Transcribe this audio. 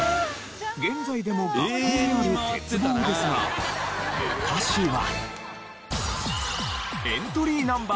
現在でも学校にある鉄棒ですが昔は。